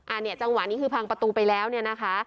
อันนี้จังหวะนี้คือพังประตูไปแล้วเนี่ยนะคะ